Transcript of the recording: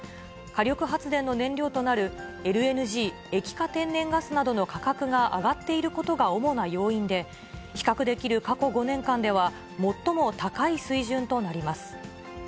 火力発電の燃料となるＬＮＧ・液化天然ガスなどの価格が上がっていることが主な要因で、比較できる過去５年間では、最も高い水準となります。